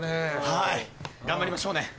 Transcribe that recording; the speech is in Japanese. はい頑張りましょうね。